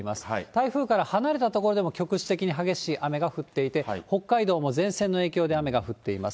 台風から離れた所でも局地的に激しい雨が降っていて、北海道も前線の影響で雨が降っています。